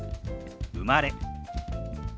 「生まれ」。